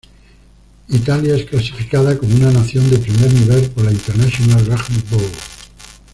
Italia es clasificada como una nación de primer nivel por la International Rugby Board.